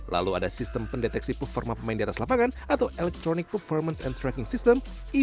lalu ada sistem pendeteksi performa pemain di atas lapangan atau electronic performance and tracking system